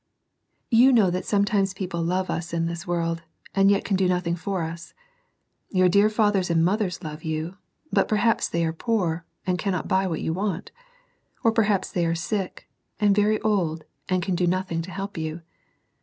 You know that sometimes people love us in this world, and yet can do nothing for us. Your dear fathers and mothers love you, but perhaps they are poor, and cannot buy what you want ; or perhaps they are sick, and very old, and can do nothing to help you.